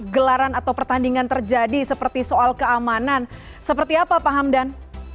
gelaran atau pertandingan terjadi seperti soal keamanan seperti apa pak hamdan